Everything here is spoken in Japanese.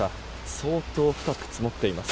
相当深く積もっています。